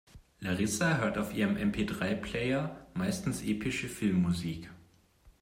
Larissa hört auf ihrem MP-drei-Player meistens epische Filmmusik.